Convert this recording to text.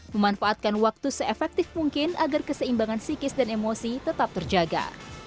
memanfaatkan waktu se efektif mungkin agar keseimbangan psikis dan emosi tetap terjaga